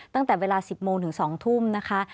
ตั้งแต่เวลา๑๐โมงถึง๒ทุ่มนะคะ